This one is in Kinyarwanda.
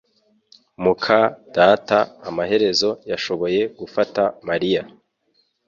muka data amaherezo yashoboye gufata Mariya